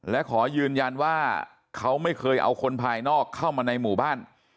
และขอยืนยันว่าเขาไม่เคยเอาคนภายนอกเข้ามาในหมู่บ้าน